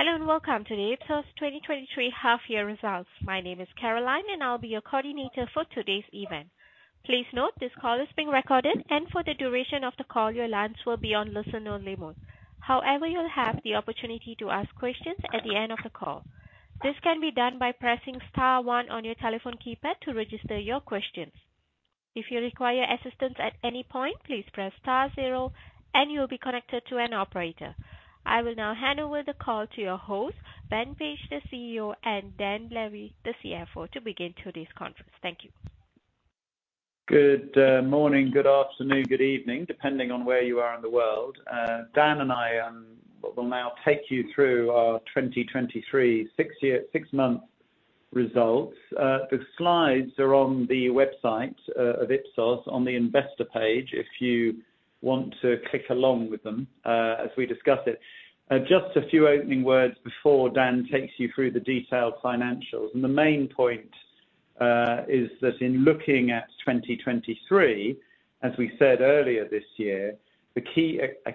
Hello, welcome to the Ipsos 2023 Half Year Results. My name is Caroline, I'll be your coordinator for today's event. Please note, this call is being recorded, for the duration of the call, your lines will be on listen-only mode. However, you'll have the opportunity to ask questions at the end of the call. This can be done by pressing Star 1 on your telephone keypad to register your questions. If you require assistance at any point, please press Star 0, you'll be connected to an operator. I will now hand over the call to your host, Ben Page, the CEO, and Dan Lévy, the CFO, to begin today's conference. Thank you. Good morning, good afternoon, good evening, depending on where you are in the world. Dan and I will now take you through our 2023 six-month results. The slides are on the website of Ipsos, on the Investor page, if you want to click along with them as we discuss it. Just a few opening words before Dan takes you through the detailed financials. The main point is that in looking at 2023, as we said earlier this year, a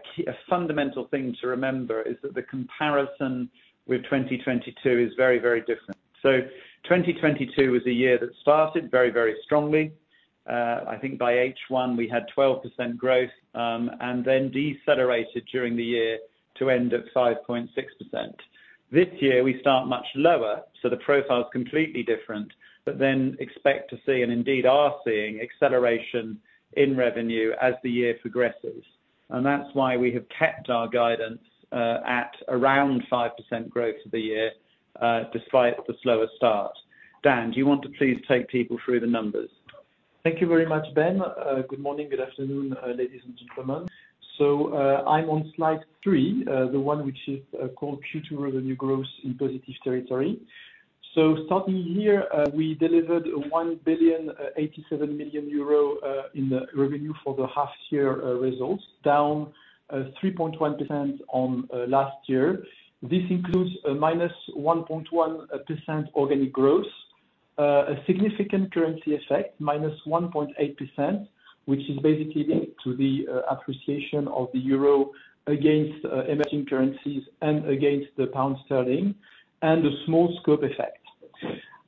fundamental thing to remember is that the comparison with 2022 is very, very different. 2022 was a year that started very, very strongly. I think by H1, we had 12% growth, and then decelerated during the year to end of 5.6%. This year, we start much lower, so the profile is completely different, but then expect to see, and indeed are seeing, acceleration in revenue as the year progresses. That's why we have kept our guidance at around 5% growth for the year despite the slower start. Dan, do you want to please take people through the numbers? Thank you very much, Ben. Good morning, good afternoon, ladies and gentlemen. I'm on slide 3, the one which is called Q2 revenue growth in positive territory. Starting here, we delivered 1.087 billion in the revenue for the half year results, down 3.1% on last year. This includes a -1.1% organic growth, a significant currency effect, -1.8%, which is basically linked to the appreciation of the euro against emerging currencies and against the pound sterling, and a small scope effect.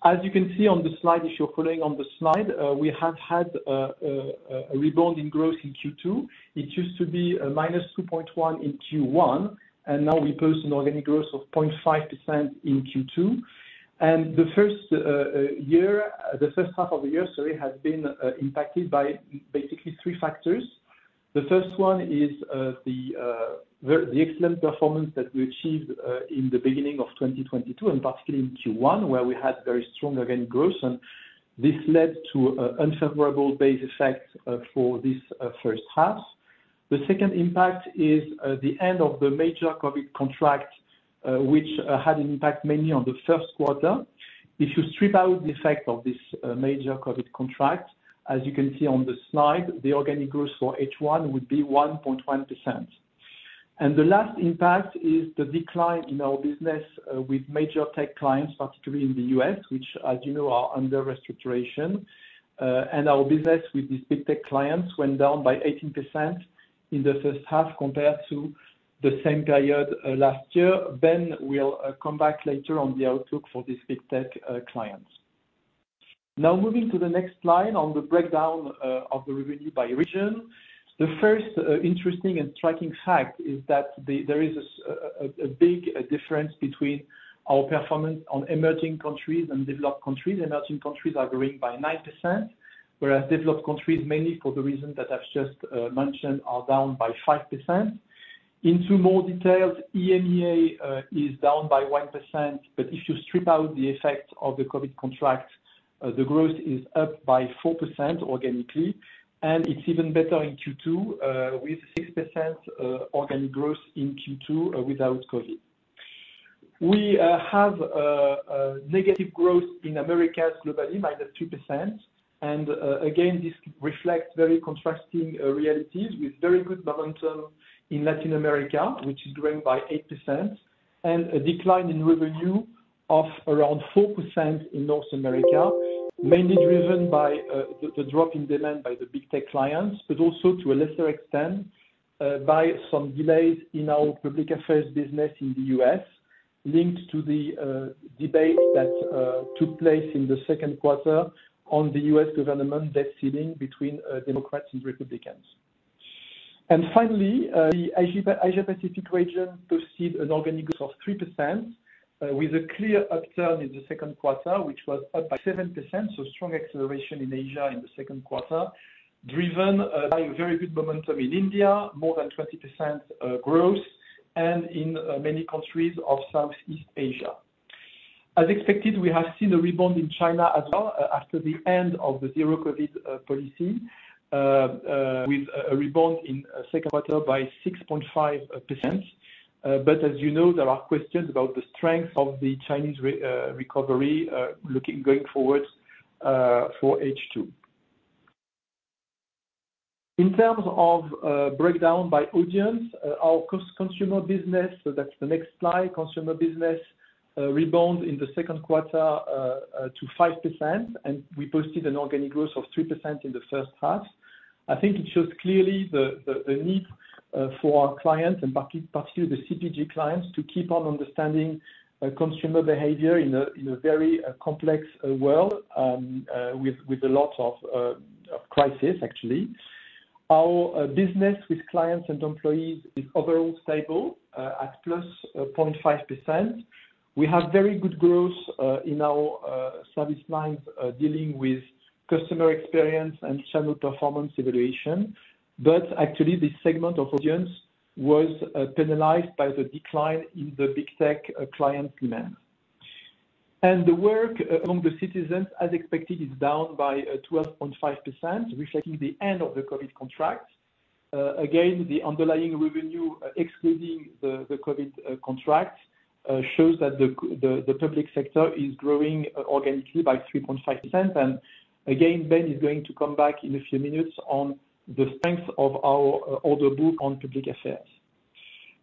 As you can see on the slide, if you're following on the slide, we have had a rebound in growth in Q2. It used to be -2.1% in Q1. Now we post an organic growth of 0.5% in Q2. The first half of the year, sorry, has been impacted by basically three factors. The first one is the excellent performance that we achieved in the beginning of 2022, and particularly in Q1, where we had very strong organic growth. This led to a unfavorable base effect for this first half. The second impact is the end of the major COVID contract, which had an impact mainly on the Q1. If you strip out the effect of this major COVID contract, as you can see on the slide, the organic growth for H1 would be 1.1%. The last impact is the decline in our business with major tech clients, particularly in the U.S., which as you know, are under restructuring. Our business with these big tech clients went down by 18% in the first half compared to the same period last year. Ben will come back later on the outlook for these big tech clients. Now, moving to the next slide on the breakdown of the revenue by region. The first interesting and striking fact is that there is a big difference between our performance on emerging countries and developed countries. Emerging countries are growing by 9%, whereas developed countries, mainly for the reasons that I've just mentioned, are down by 5%. Into more details, EMEA, is down by 1%, but if you strip out the effect of the COVID contract, the growth is up by 4% organically, and it's even better in Q2, with 6%, organic growth in Q2, without COVID. We have a negative growth in Americas globally, minus 2%. Again, this reflects very contrasting realities with very good momentum in Latin America, which is growing by 8%, and a decline in revenue of around 4% in North America, mainly driven by the drop in demand by the big tech clients, but also to a lesser extent by some delays in our public affairs business in the US, linked to the debate that took place in the Q2 on the US government debt ceiling between Democrats and Republicans. Finally, the Asia Pacific region perceived an organic growth of 3%, with a clear upturn in the Q2, which was up by 7%. Strong acceleration in Asia in the Q2, driven by a very good momentum in India, more than 20% growth, and in many countries of Southeast Asia. As expected, we have seen a rebound in China as well after the end of the Zero COVID Policy with a rebound in Q2 by 6.5%. As you know, there are questions about the strength of the Chinese recovery going forward for H2. In terms of breakdown by audience, our consumer business, so that's the next slide, consumer business. rebound in the Q2 to 5%, and we posted an organic growth of 3% in the first half. I think it shows clearly the need for our clients, particularly the CPG clients, to keep on understanding consumer behavior in a very complex world, with a lot of crisis, actually. Our business with clients and employees is overall stable at +0.5%. We have very good growth in our service lines dealing with customer experience and channel performance evaluation, but actually, this segment of audience was penalized by the decline in the big tech client demand. The work among the citizens, as expected, is down by 12.5%, reflecting the end of the COVID contract. Again, the underlying revenue, excluding the COVID contract, shows that the public sector is growing organically by 3.5%. Again, Ben is going to come back in a few minutes on the strength of our Order Book on Public Affairs.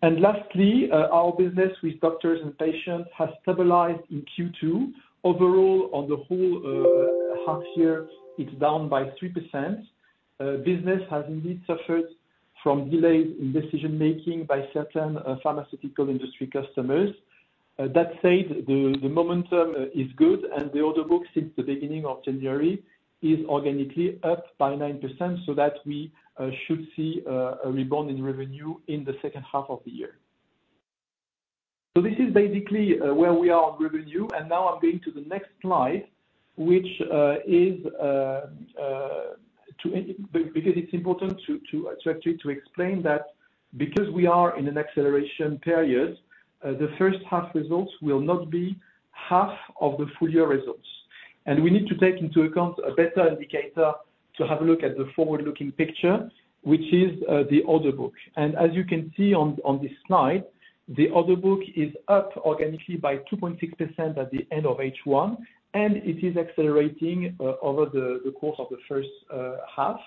Lastly, our business with doctors and patients has stabilized in Q2. Overall, on the whole, half year, it's down by 3%. Business has indeed suffered from delays in decision-making by certain pharmaceutical industry customers. That said, the momentum is good, and the Order Book since the beginning of January is organically up by 9%, we should see a rebound in revenue in the second half of the year. This is basically where we are on revenue. Now I'm going to the next slide, which is because it's important to actually explain that because we are in an acceleration period, the first half results will not be half of the full year results. We need to take into account a better indicator to have a look at the forward-looking picture, which is the Order Book. As you can see on this slide, the Order Book is up organically by 2.6% at the end of H1, and it is accelerating over the course of the first half.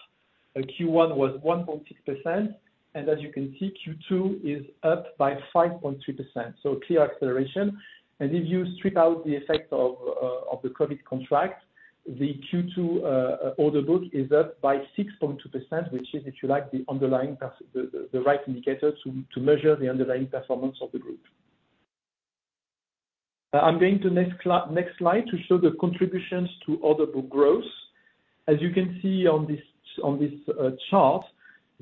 Q1 was 1.6%, and as you can see, Q2 is up by 5.2%, so clear acceleration. If you strip out the effect of the COVID contract, the Q2 Order Book is up by 6.2%, which is, if you like, the underlying right indicator to measure the underlying performance of the group. I'm going to next slide to show the contributions to Order Book growth. As you can see on this chart,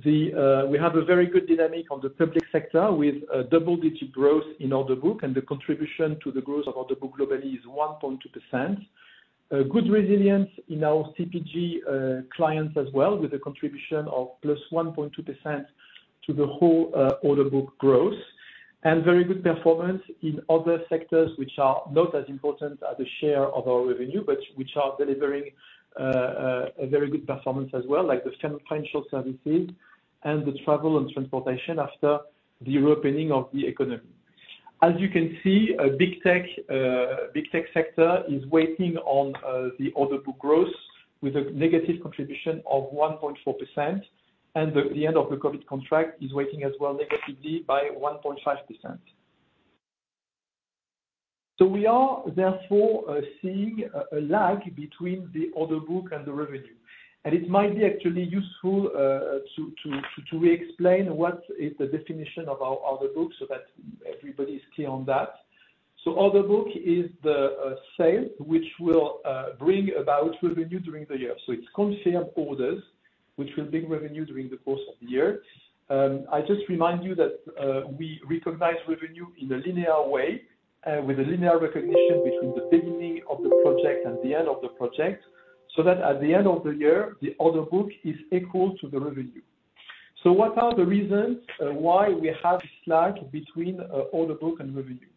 we have a very good dynamic on the public sector, with a double-digit growth in Order Book, and the contribution to the growth of Order Book globally is 1.2%. Good resilience in our CPG clients as well, with a contribution of +1.2% to the whole Order Book growth. Very good performance in other sectors, which are not as important as the share of our revenue, but which are delivering a very good performance as well, like the financial services and the travel and transportation after the reopening of the economy. As you can see, a big tech sector is waiting on the Order Book growth with a negative contribution of 1.4%, and the end of the COVID contract is waiting as well, negatively by 1.5%. We are therefore seeing a lag between the Order Book and the revenue. It might be actually useful to re-explain what is the definition of our Order Book so that everybody's clear on that. Order Book is the sale which will bring about revenue during the year. It's confirmed orders, which will bring revenue during the course of the year. I just remind you that we recognize revenue in a linear way, with a linear recognition between the beginning of the project and the end of the project, so that at the end of the year, the Order Book is equal to the revenue. What are the reasons why we have a lag between Order Book and revenue?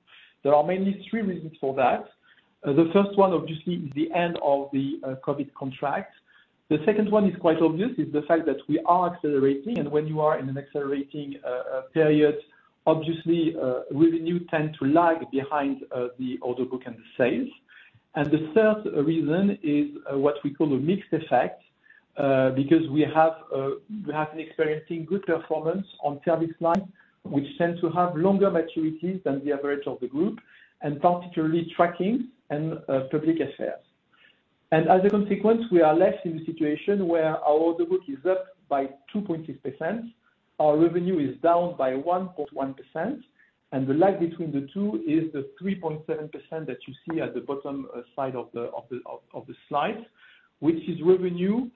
There are mainly three reasons for that. The first one, obviously, is the end of the COVID contract. The second one is quite obvious, is the fact that we are accelerating, and when you are in an accelerating period, obviously, revenue tend to lag behind the Order Book and the sales. The third reason is what we call a mixed effect, because we have been experiencing good performance on service line, which tends to have longer maturities than the average of the group, and particularly tracking and public affairs. As a consequence, we are left in a situation where our Order Book is up by 2.6%, our revenue is down by 1.1%, and the lag between the two is the 3.7% that you see at the bottom side of the of the of the slide, which is revenue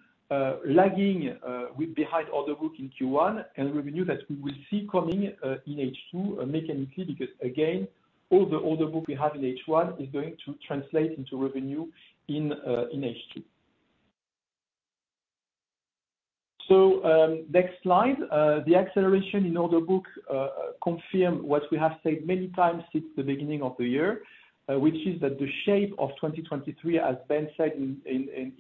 lagging with behind Order Book in Q1, and revenue that we will see coming in H2 mechanically, because again, all the Order Book we have in H1 is going to translate into revenue in H2. Next slide. The acceleration in Order Book, confirm what we have said many times since the beginning of the year, which is that the shape of 2023, as Ben said in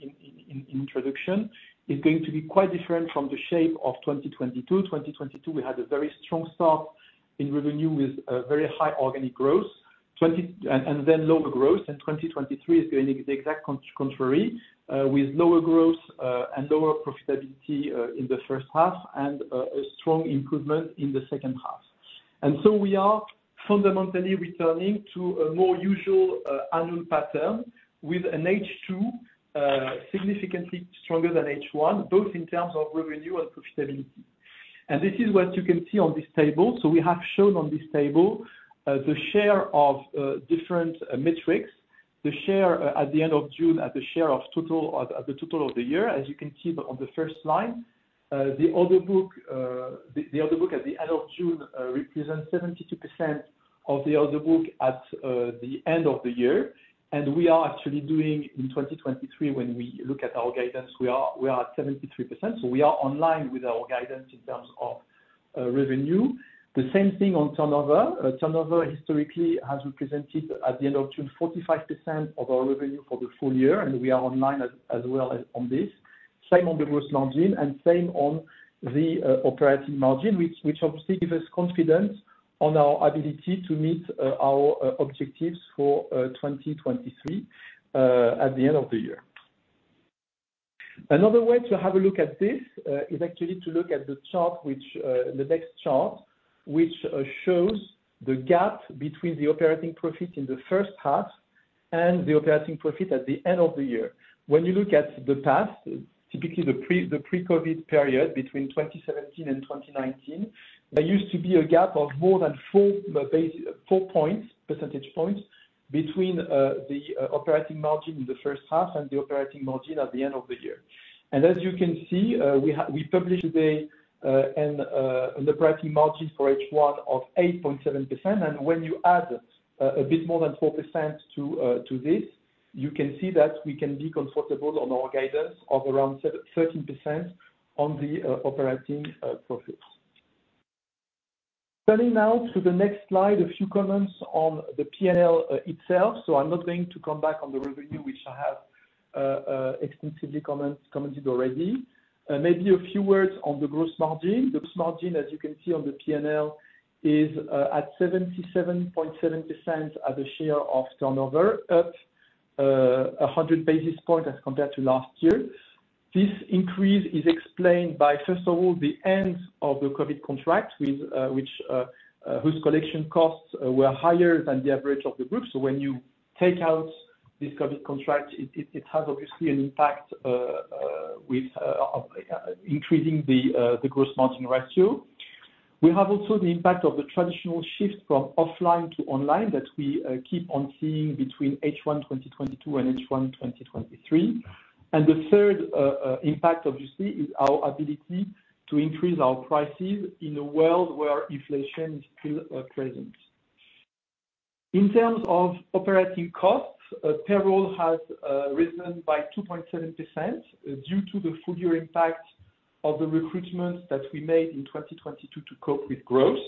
introduction, is going to be quite different from the shape of 2022. 2022, we had a very strong start in revenue with a very high organic growth, and then lower growth, and 2023 is going the exact contrary, with lower growth and lower profitability in the first half, and a strong improvement in the second half. We are fundamentally returning to a more usual annual pattern with an H2 significantly stronger than H1, both in terms of revenue and profitability. This is what you can see on this table. We have shown on this table, the share of different metrics, the share at the end of June, at the share of total of the total of the year, as you can see on the first line. The Order Book, the Order Book at the end of June, represents 72% of the Order Book at the end of the year. We are actually doing in 2023, when we look at our guidance, we are at 73%. We are online with our guidance in terms of revenue. The same thing on turnover. Turnover historically has represented, at the end of June, 45% of our revenue for the full year, and we are online as well as on this. Same on the gross margin, same on the operating margin, which obviously gives us confidence on our ability to meet our objectives for 2023 at the end of the year. Another way to have a look at this is actually to look at the chart, which the next chart, which shows the gap between the operating profit in the first half and the operating profit at the end of the year. When you look at the past, typically the pre-COVID period between 2017 and 2019, there used to be a gap of more than 4 percentage points, between the operating margin in the first half and the operating margin at the end of the year. As you can see, we published today an operating margin for H1 of 8.7%. When you add a bit more than 4% to this, you can see that we can be comfortable on our guidance of around 13% on the operating profits. Turning now to the next slide, a few comments on the P&L itself. I'm not going to come back on the revenue, which I have extensively commented already. Maybe a few words on the gross margin. The gross margin, as you can see on the P&L, is at 77.7% as a share of turnover, at 100 basis points as compared to last year. This increase is explained by, first of all, the end of the COVID contract with, which, whose collection costs, were higher than the average of the group. So when you take out this COVID contract, it has obviously an impact, with increasing the gross margin ratio. We have also the impact of the traditional shift from offline to online, that we keep on seeing between H1 2022 and H1 2023. And the third impact, obviously, is our ability to increase our prices in a world where inflation is still present. In terms of operating costs, payroll has risen by 2.7% due to the full year impact of the recruitment that we made in 2022 to cope with growth.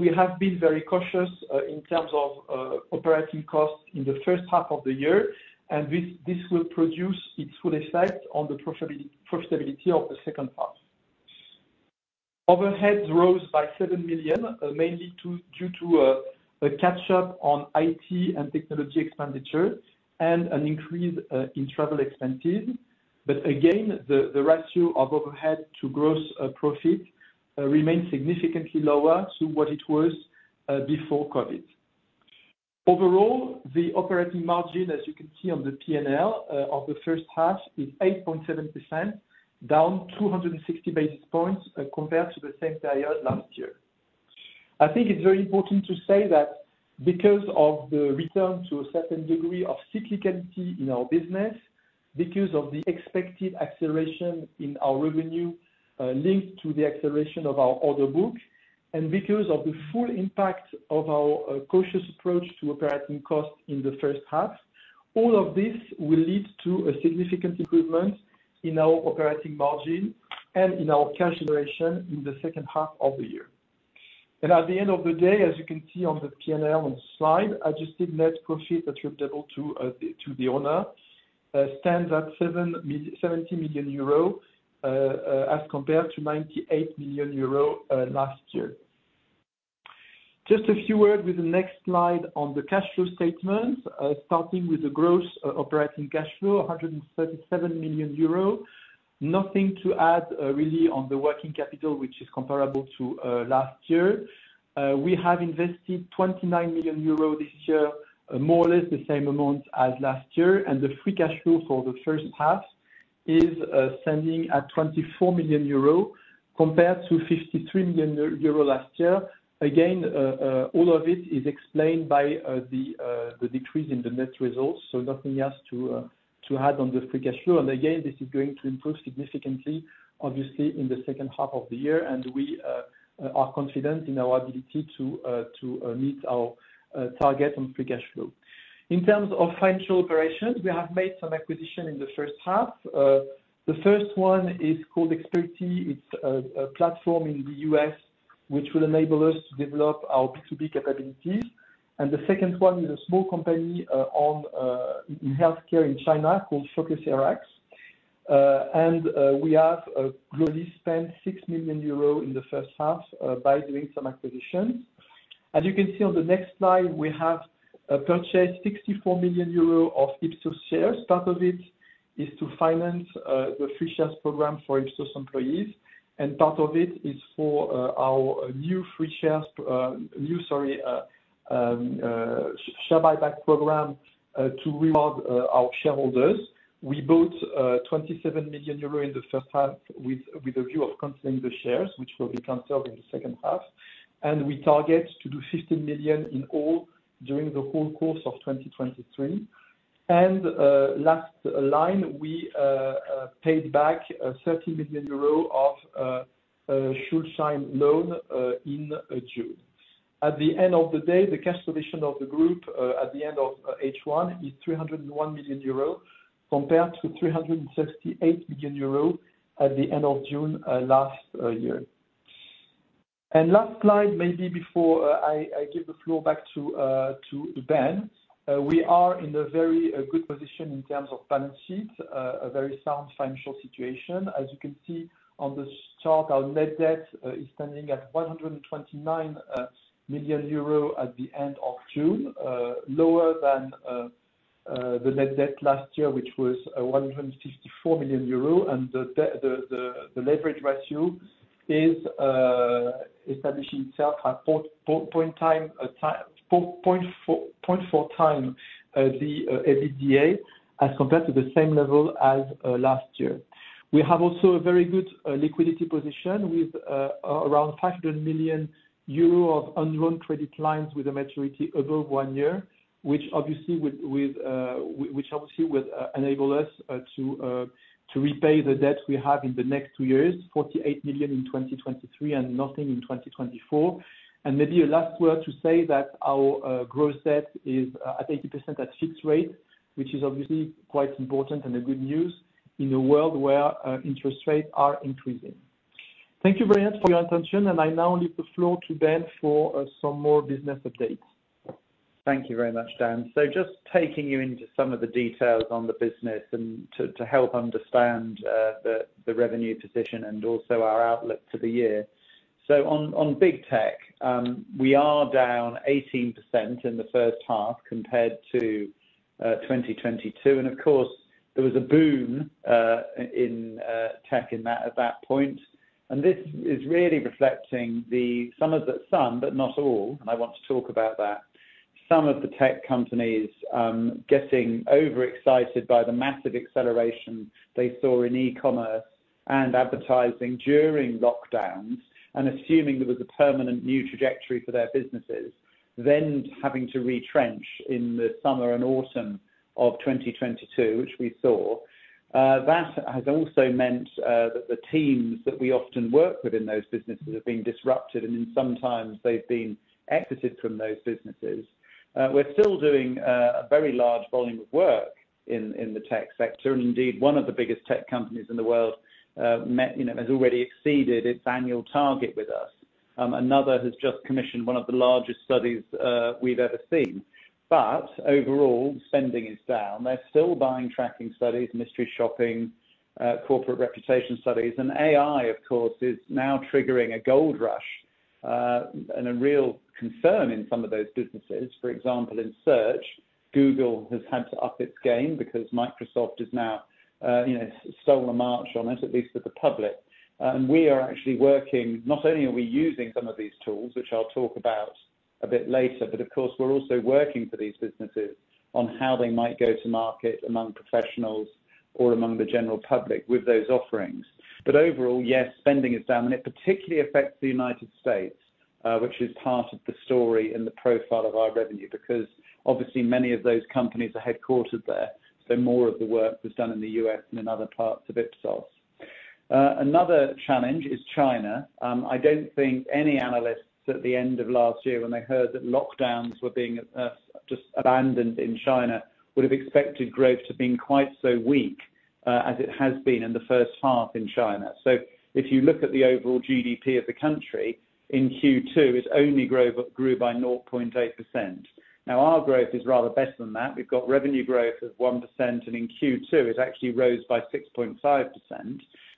We have been very cautious in terms of operating costs in the first half of the year, and this will produce its full effect on the profitability of the second half. Overhead rose by 7 million, mainly due to a catch up on IT and technology expenditure and an increase in travel expenses. Again, the ratio of overhead to gross profit remains significantly lower to what it was before COVID. Overall, the operating margin, as you can see on the P&L of the first half, is 8.7%, down 260 basis points compared to the same period last year. I think it's very important to say that because of the return to a certain degree of cyclicality in our business, because of the expected acceleration in our revenue, linked to the acceleration of our Order Book, and because of the full impact of our cautious approach to operating costs in the first half, all of this will lead to a significant improvement in our operating margin and in our cash generation in the second half of the year. At the end of the day, as you can see on the P&L on slide, adjusted net profit attributable to the owner stands at 70 million euro as compared to 98 million euro last year. Just a few words with the next slide on the cash flow statement. Starting with the gross operating cash flow, 137 million euros. Nothing to add, really, on the working capital, which is comparable to last year. We have invested 29 million euros this year, more or less the same amount as last year. The free cash flow for the first half is standing at 24 million euro, compared to 53 million euro last year. Again, all of it is explained by the decrease in the net results, so nothing else to add on the free cash flow. Again, this is going to improve significantly, obviously, in the second half of the year, and we are confident in our ability to meet our target on free cash flow. In terms of financial operations, we have made some acquisition in the first half. The first one is called Xperiti. It's a platform in the US, which will enable us to develop our B2B capabilities. The second one is a small company in healthcare in China called FocusRx. We have globally spent 6 million euros in the first half by doing some acquisitions. As you can see on the next slide, we have purchased 64 million euro of Ipsos shares. Part of it is to finance the free shares program for Ipsos employees, and part of it is for our new free shares, new, sorry, share buyback program to reward our shareholders. We bought 27 million euros in the first half with a view of canceling the shares, which will be canceled in the second half, and we target to do 15 million in all during the whole course of 2023. Last line, we paid back 30 million euro of Schuldschein loan in June. At the end of the day, the cash position of the group at the end of H1 is 301 million euros, compared to 368 million euros at the end of June last year. Last slide, maybe before I give the floor back to Ben, we are in a very good position in terms of balance sheet, a very sound financial situation. As you can see on this chart, our net debt is standing at 129 million euro at the end of June. Lower than the net debt last year, which was 154 million euro, and the leverage ratio is establishing itself at 4.4 times the EBITDA, as compared to the same level as last year. We have also a very good liquidity position with around 500 million euro of undrawn credit lines with a maturity above one year, which obviously will enable us to repay the debt we have in the next two years, 48 million in 2023, and nothing in 2024. Maybe a last word to say that our growth debt is at 80% at fixed rate, which is obviously quite important and a good news in a world where interest rates are increasing. Thank you very much for your attention, and I now leave the floor to Ben for some more business updates. Thank you very much, Dan. Just taking you into some of the details on the business and to help understand the revenue position and also our outlook for the year. On big tech, we are down 18% in the first half compared to 2022, and of course, there was a boom in tech in that, at that point. This is really reflecting some, but not all, and I want to talk about that. Some of the tech companies getting overexcited by the massive acceleration they saw in e-commerce and advertising during lockdowns, and assuming there was a permanent new trajectory for their businesses, then having to retrench in the summer and autumn of 2022, which we saw. That has also meant that the teams that we often work with in those businesses have been disrupted, and in some times they've been exited from those businesses. We're still doing a very large volume of work in the tech sector, and indeed, one of the biggest tech companies in the world, you know, has already exceeded its annual target with us. Another has just commissioned one of the largest studies we've ever seen. Overall, spending is down. They're still buying tracking studies, mystery shopping, corporate reputation studies, and AI, of course, is now triggering a gold rush and a real concern in some of those businesses. For example, in search, Google has had to up its game because Microsoft has now, you know, stolen a march on it, at least to the public. We are actually working, not only are we using some of these tools, which I'll talk about a bit later, but of course, we're also working for these businesses on how they might go to market among professionals or among the general public with those offerings. Overall, yes, spending is down, and it particularly affects the United States, which is part of the story and the profile of our revenue, because obviously many of those companies are headquartered there, so more of the work was done in the U.S. than in other parts of Ipsos. Another challenge is China. I don't think any analysts at the end of last year, when they heard that lockdowns were being just abandoned in China, would have expected growth to have been quite so weak as it has been in the first half in China. If you look at the overall GDP of the country, in Q2, it only grew by 0.8%. Now, our growth is rather better than that. We've got revenue growth of 1%, and in Q2, it actually rose by 6.5%.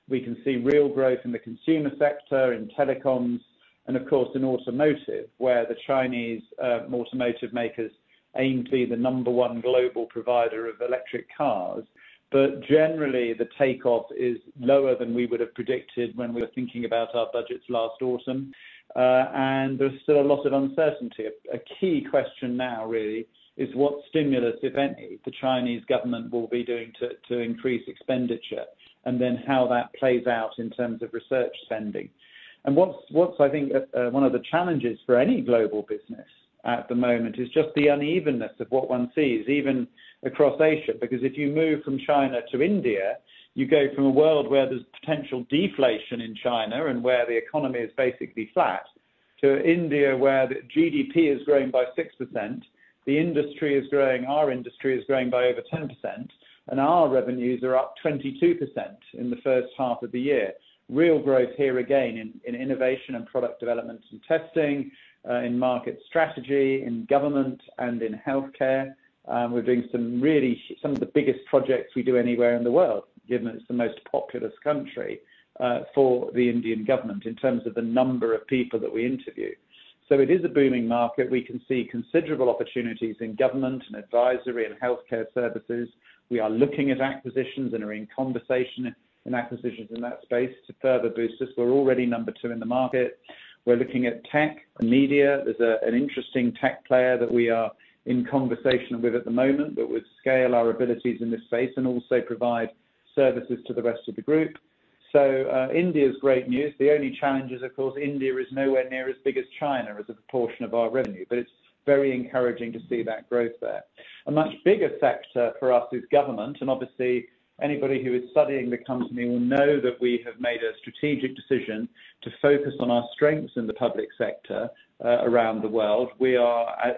We can see real growth in the consumer sector, in telecoms, and of course, in automotive, where the Chinese automotive makers aim to be the number one global provider of electric cars. Generally, the takeoff is lower than we would have predicted when we were thinking about our budgets last autumn. And there's still a lot of uncertainty. A key question now really is what stimulus, if any, the Chinese government will be doing to increase expenditure, and then how that plays out in terms of research spending. What's, I think, one of the challenges for any global business at the moment is just the unevenness of what one sees, even across Asia. If you move from China to India, you go from a world where there's potential deflation in China and where the economy is basically flat, to India, where the GDP is growing by 6%, the industry is growing, our industry is growing by over 10%, and our revenues are up 22% in the first half of the year. Real growth here, again, in innovation and product development and testing, in market strategy, in government, and in healthcare. We're doing some really, some of the biggest projects we do anywhere in the world, given it's the most populous country, for the Indian Government, in terms of the number of people that we interview. It is a booming market. We can see considerable opportunities in government, and advisory, and healthcare services. We are looking at acquisitions and are in conversation in acquisitions in that space to further boost this. We're already number 2 in the market. We're looking at tech and media. There's an interesting tech player that we are in conversation with at the moment, that would scale our abilities in this space and also provide services to the rest of the group. India's great news. The only challenge is, of course, India is nowhere near as big as China as a proportion of our revenue, but it's very encouraging to see that growth there. A much bigger sector for us is government. Obviously, anybody who is studying the company will know that we have made a strategic decision to focus on our strengths in the public sector around the world.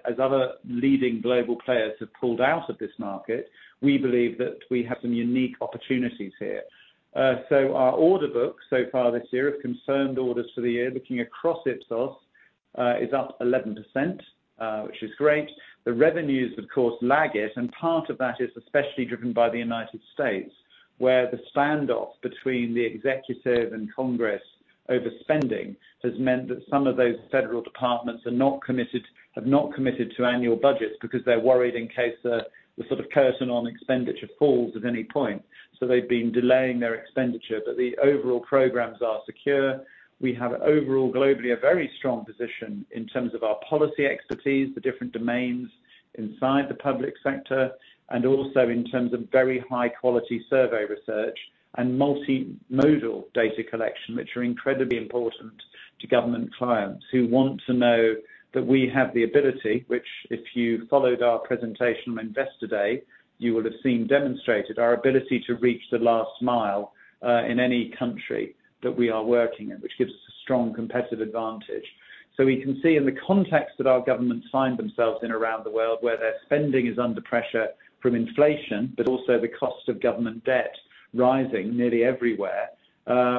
As other leading global players have pulled out of this market, we believe that we have some unique opportunities here. Our Order Book so far this year, have confirmed orders for the year, looking across Ipsos, is up 11%, which is great. The revenues, of course, lag it, and part of that is especially driven by the United States, where the standoff between the Executive and Congress overspending, has meant that some of those federal departments have not committed to annual budgets because they're worried in case the sort of curtain on expenditure falls at any point, so they've been delaying their expenditure. The overall programs are secure. We have overall, globally, a very strong position in terms of our policy expertise, the different domains inside the public sector, and also in terms of very high-quality survey research and multimodal data collection, which are incredibly important to government clients who want to know that we have the ability, which if you followed our presentation on Investor Day, you will have seen demonstrated our ability to reach the last mile in any country that we are working in, which gives us a strong competitive advantage. We can see in the context that our government find themselves in around the world, where their spending is under pressure from inflation, but also the cost of government debt rising nearly everywhere,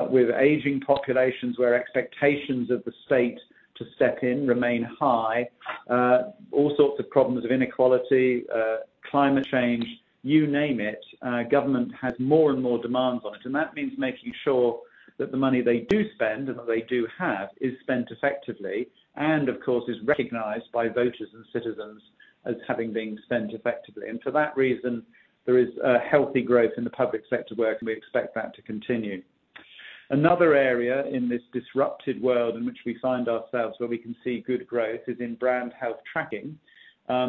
with aging populations, where expectations of the state to step in remain high, all sorts of problems of inequality, climate change, you name it, government has more and more demands on it. That means making sure that the money they do spend, and that they do have, is spent effectively, and of course, is recognized by voters and citizens as having been spent effectively. For that reason, there is a healthy growth in the public sector work, and we expect that to continue. Another area in this disrupted world in which we find ourselves, where we can see good growth, is in brand health tracking.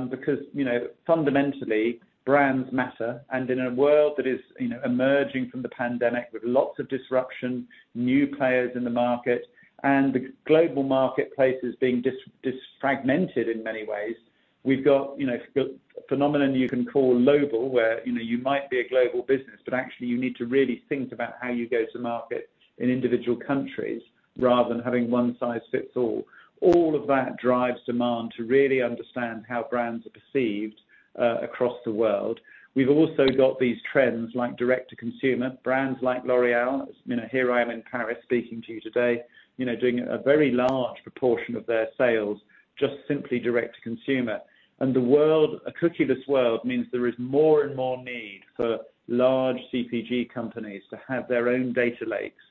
Because, you know, fundamentally, brands matter, and in a world that is, you know, emerging from the pandemic with lots of disruption, new players in the market, and the global marketplace is being disfragmented in many ways, we've got, you know, a phenomenon you can call global, where, you know, you might be a global business, but actually you need to really think about how you go to market in individual countries, rather than having one size fits all. All of that drives demand to really understand how brands are perceived, across the world. We've also got these trends like direct to consumer, brands like L'Oréal. You know, here I am in Paris speaking to you today, you know, doing a very large proportion of their sales, just simply direct to consumer. The world, a cookieless world, means there is more and more need for large CPG companies to have their own data lakes,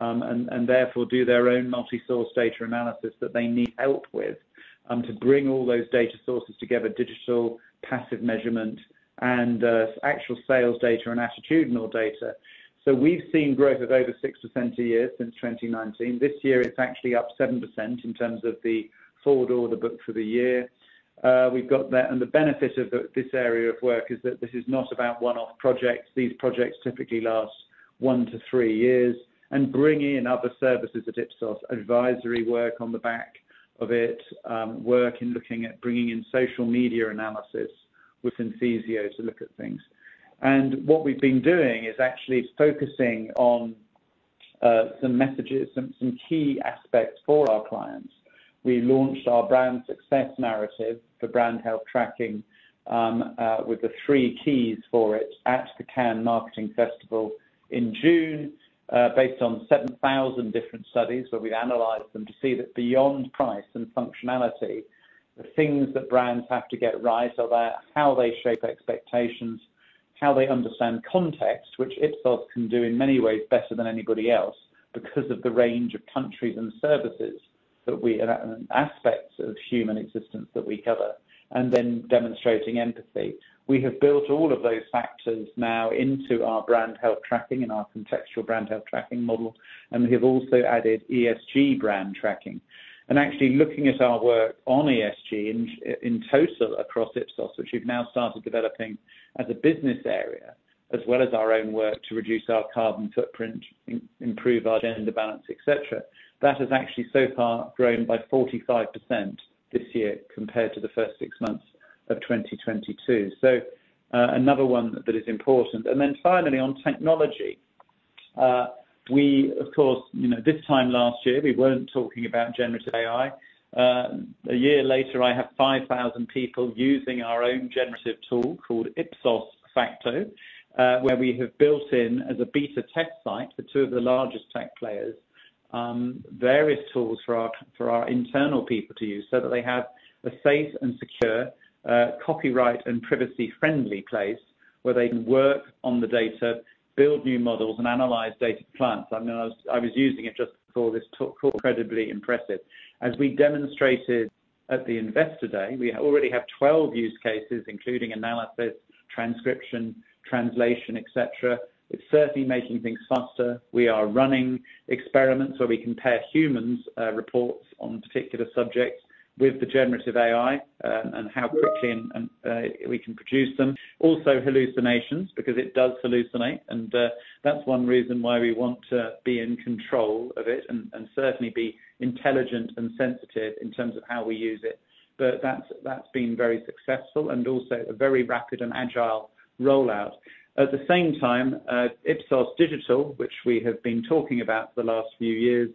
and therefore do their own multi-source data analysis that they need help with, to bring all those data sources together, digital, passive measurement, and actual sales data and attitudinal data. We've seen growth of over 6% a year since 2019. This year, it's actually up 7% in terms of the forward Order Book for the year. We've got that, and the benefit of this area of work is that this is not about one-off projects. These projects typically last one to three years and bring in other services at Ipsos, advisory work on the back of it, work in looking at bringing in social media analysis with Synthesio to look at things. What we've been doing is actually focusing on some key aspects for our clients. We launched our brand success narrative for brand health tracking with the three keys for it at the Cannes Lions Festival in June, based on 7,000 different studies, where we've analyzed them to see that beyond price and functionality, the things that brands have to get right are about how they shape expectations, how they understand context, which Ipsos can do in many ways, better than anybody else, because of the range of countries and services that we aspects of human existence that we cover, and then demonstrating empathy. We have built all of those factors now into our brand health tracking and our contextual brand health tracking model, and we have also added ESG brand tracking. Actually, looking at our work on ESG in total across Ipsos, which we've now started developing as a business area, as well as our own work to reduce our carbon footprint, improve our gender balance, et cetera, that has actually so far grown by 45% this year compared to the first six months of 2022. Another one that is important. Finally, on technology. We, of course, you know, this time last year, we weren't talking about generative AI. A year later, I have 5,000 people using our own generative tool called Ipsos Facto, where we have built in as a beta test site for two of the largest tech players, various tools for our internal people to use, so that they have a safe and secure, copyright and privacy-friendly place where they can work on the data, build new models, and analyze data plans. I mean, I was using it just before this talk. Incredibly impressive. As we demonstrated at the Investor Day, we already have 12 use cases, including analysis, transcription, translation, et cetera. It's certainly making things faster. We are running experiments where we compare humans, reports on particular subjects with the generative AI, and how quickly and we can produce them. Hallucinations, because it does hallucinate, that's one reason why we want to be in control of it, and certainly be intelligent and sensitive in terms of how we use it. That's been very successful and also a very rapid and agile rollout. At the same time, Ipsos.Digital, which we have been talking about for the last few years,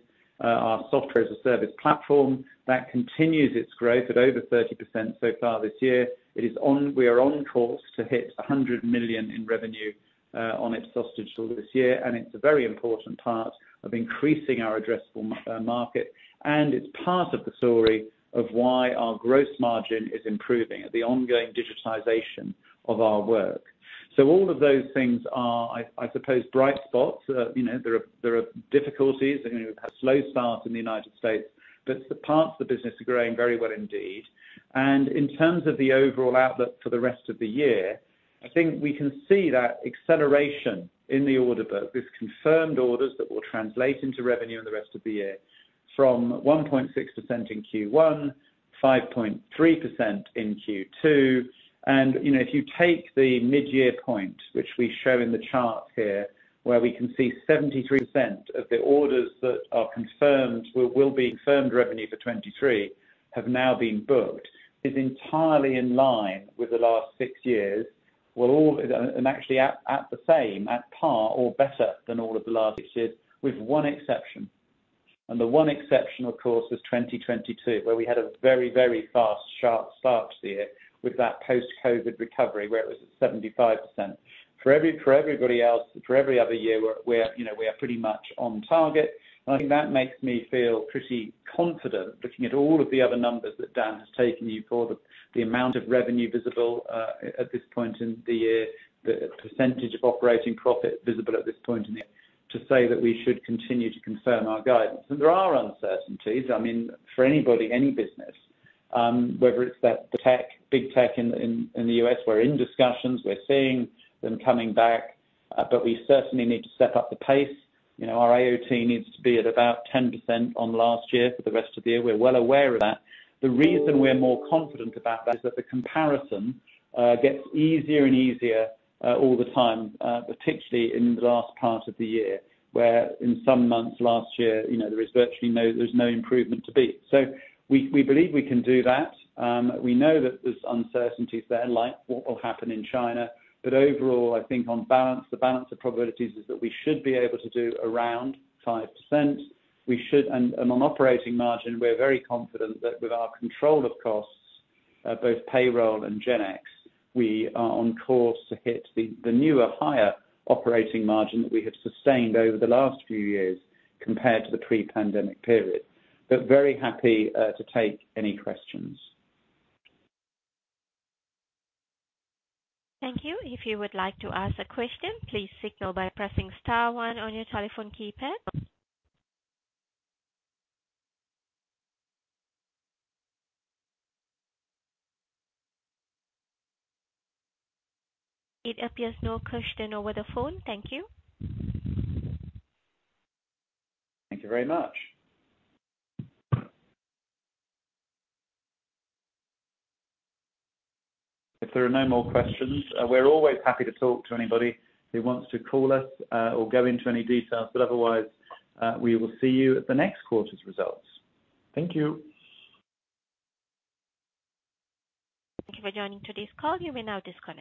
our Software-as-a-Service platform, that continues its growth at over 30% so far this year. We are on course to hit 100 million in revenue on Ipsos.Digital this year, and it's a very important part of increasing our addressable market. It's part of the story of why our gross margin is improving at the ongoing digitization of our work. All of those things are, I suppose, bright spots. you know, there are difficulties. They're gonna have a slow start in the United States, but the parts of the business are growing very well indeed. In terms of the overall outlook for the rest of the year, I think we can see that acceleration in the Order Book, with confirmed orders that will translate into revenue in the rest of the year, from 1.6% in Q1, 5.3% in Q2. you know, if you take the mid-year point, which we show in the chart here, where we can see 73% of the orders that are confirmed, will be confirmed revenue for 2023, have now been booked, is entirely in line with the last six years. actually at the same, at par or better than all of the last years, with one exception. The one exception, of course, was 2022, where we had a very, very fast, sharp start to the year with that post-COVID recovery, where it was at 75%. For everybody else, for every other year, we are, you know, we are pretty much on target. I think that makes me feel pretty confident, looking at all of the other numbers that Dan has taken you for, the amount of revenue visible at this point in the year, the percentage of operating profit visible at this point in the year, to say that we should continue to confirm our guidance. There are uncertainties, I mean, for anybody, any business, whether it's that tech, big tech in the U.S., we're in discussions, we're seeing them coming back, but we certainly need to step up the pace. You know, our AOT needs to be at about 10% on last year for the rest of the year. We're well aware of that. The reason we're more confident about that is that the comparison gets easier and easier all the time, particularly in the last part of the year, where in some months last year, you know, there's no improvement to beat. We believe we can do that. We know that there's uncertainties there, like what will happen in China. Overall, I think on balance, the balance of probabilities is that we should be able to do around 5%. We should and on operating margin, we're very confident that with our control of costs, both payroll and general expenses, we are on course to hit the newer, higher operating margin that we have sustained over the last few years compared to the pre-pandemic period. Very happy, to take any questions. Thank you. If you would like to ask a question, please signal by pressing Star 1 on your telephone keypad. It appears no question over the phone. Thank you. Thank you very much. If there are no more questions, we're always happy to talk to anybody who wants to call us, or go into any details, but otherwise, we will see you at the next quarter's results. Thank you. Thank you for joining today's call. You may now disconnect.